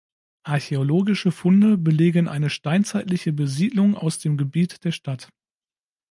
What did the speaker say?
Archäologische Funde belegen eine steinzeitliche Besiedlung aus dem Gebiet der Stadt.